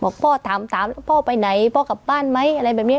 พ่อถามพ่อไปไหนพ่อกลับบ้านไหมอะไรแบบนี้